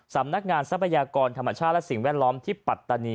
ทรัพยากรธรรมชาติและสิ่งแวดล้อมที่ปัตตานี